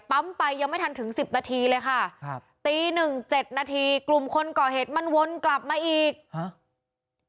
ปั๊มไปยังไม่ทันถึงสิบนาทีเลยค่ะครับตีหนึ่งเจ็ดนาทีกลุ่มคนก่อเหตุมันวนกลับมาอีกฮะ